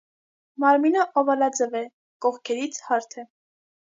Մարմինը օվալաձև է, կողքերից հարթ է։